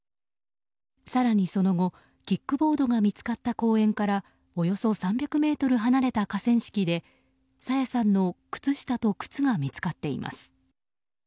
更にその後、キックボードが見つかった公園からおよそ３００ｍ離れた河川敷で朝芽さんの靴下と靴が見つかっています。